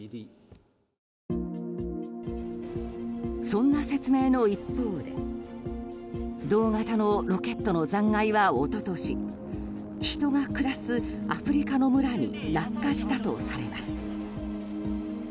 そんな説明の一方で同型のロケットの残骸は一昨年人が暮らすアフリカの村に落下したとされます。